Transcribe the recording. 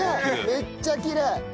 めっちゃきれい。